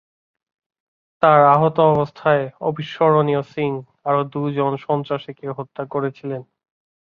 তাঁর আহত অবস্থায় অবিস্মরণীয় সিং আরও দু'জন সন্ত্রাসীকে হত্যা করেছিলেন।